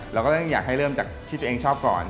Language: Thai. เราก็ต้องอยากให้เริ่มจากที่ตัวเองชอบก่อน